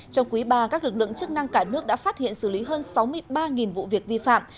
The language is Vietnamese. trong quý ba các lực lượng chức năng cả nước đã phát hiện xử lý hơn sáu mươi ba vụ việc vi phạm